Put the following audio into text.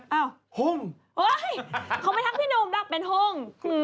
เกิดมาทักพี่หนุ่มดับเป็นฮ่ง